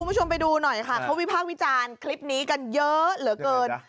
คุณผู้ชมไปดูหน่อยค่ะเขาวิพากษ์วิจารณ์คลิปนี้กันเยอะเหลือเกิน